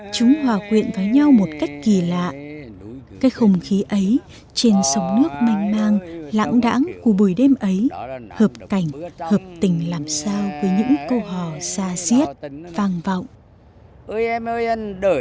chúng hòa quyện với nhau một cách kỳ lạ cái không khí ấy trên sông nước manh mang lãng đãng của buổi đêm ấy hợp cảnh hợp tình làm sao với những câu hò xa xiết vang vọng